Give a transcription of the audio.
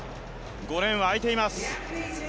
５レーンは空いています。